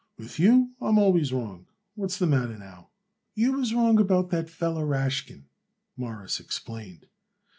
"With you I am always wrong. What's the matter now?" "You was wrong about that feller Rashkin," Morris explained.